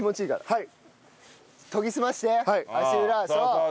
はい。